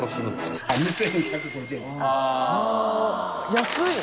安い！